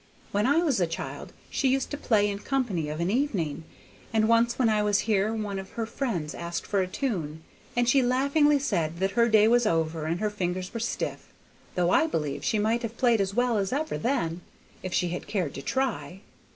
When I was a child she used to play in company of an evening, and once when I was here one of her old friends asked for a tune, and she laughingly said that her day was over and her fingers were stiff; though I believe she might have played as well as ever then, if she had cared to try.